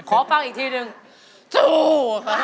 ขอฟังอีกทีนึงสู้